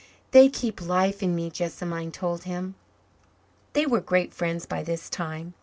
"They keep life in me," Jessamine told him. They were great friends by this time.